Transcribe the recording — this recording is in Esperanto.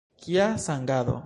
Kia sangado!